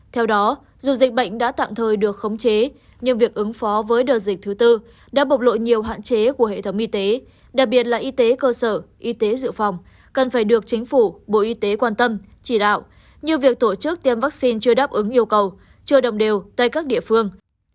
theo đó dù dịch bệnh đã tạm thời được khống chế nhưng việc ứng phó với đợt dịch thứ tư đã bộc lộ nhiều hạn chế của hệ thống y tế đặc biệt là y tế cơ sở y tế dự phòng cần phải được chính phủ bộ y tế quan tâm chỉ đạo như việc tổ chức tiêm vaccine chưa đáp ứng yêu cầu chưa đồng đều tại các địa phương